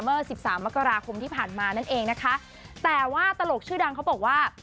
สิบสามมกราคมที่ผ่านมานั่นเองนะคะแต่ว่าตลกชื่อดังเขาบอกว่า